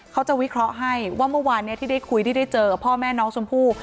เขาจะวิเคราะห์ให้ว่าเมื่อวานที่ได้คุยที่ได้เจอพ่อแม่น้องชมพู่